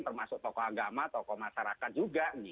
termasuk tokoh agama tokoh masyarakat juga